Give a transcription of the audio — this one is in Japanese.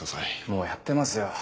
もうやってますよ。